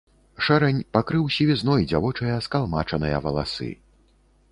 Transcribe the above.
Шэрань пакрыў сівізной дзявочыя скалмачаныя валасы.